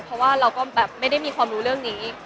เพราะว่าเราก็แบบไม่ได้มีความรู้เรื่องนี้